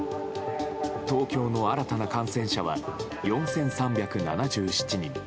東京の新たな感染者は４３７７人。